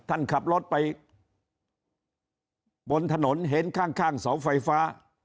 ท่านขับรถไปบนถนนเห็นข้างเสาไฟฟ้า